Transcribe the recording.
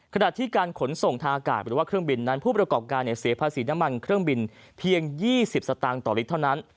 ขณะที่การขนส่งทางอากาศหรือว่าเครื่องบินนั้นผู้ประกอบการเสียภาษีน้ำมันเครื่องบินเพียง๒๐สตางค์ต่อลิตรเท่านั้น